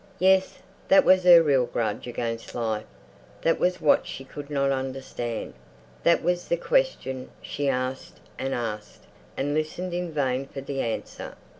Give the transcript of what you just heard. Yes, that was her real grudge against life; that was what she could not understand. That was the question she asked and asked, and listened in vain for the answer.